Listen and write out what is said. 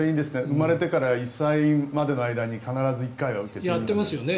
生まれてから１歳までの間に必ず１回は受けていますね。